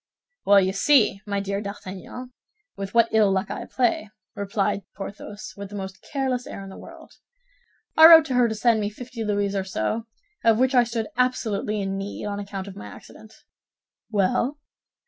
"Well, you see, my dear D'Artagnan, with what ill luck I play," replied Porthos, with the most careless air in the world. "I wrote to her to send me fifty louis or so, of which I stood absolutely in need on account of my accident." "Well?"